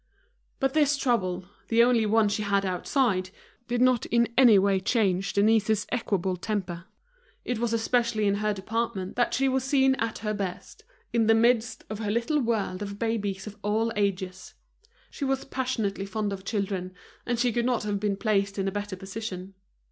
But this trouble, the only one she had outside, did not in any way change Denise's equable temper. It was especially in her department that she was seen at her best, in the midst of her little world of babies of all ages. She was passionately fond of children, and she could not have been placed in a better position.